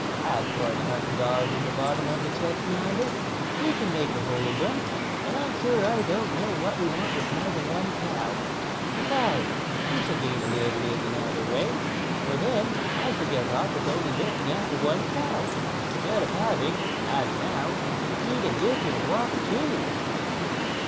As for the hundred dollars at the bottom of the chest yonder, we can't make a hole in them, and I'm sure I don't know what we want with more than one cow. Besides, we shall gain a little in another way, for then I shall get off with only looking after one cow, instead of having, as now, to feed and litter and water two."